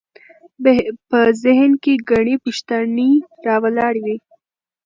په ذهن کې ګڼې پوښتنې راولاړوي.